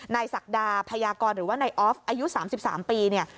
นายศักดาพยากรหรือว่านายอฟอายุสามสิบสามปีเนี่ย